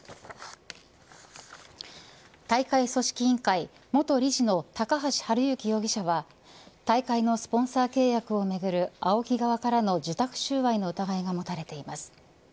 大会組織委員会、元理事の高橋治之容疑者は大会のスポンサー契約をめぐるＡＯＫＩ側からの受託収賄の疑いが持たれています。